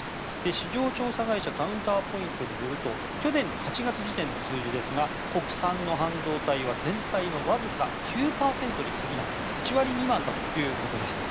市場調査会社カウンターポイントによると去年の８月時点の数字ですが国産の半導体は全体のわずか９％に過ぎない１割未満だということです。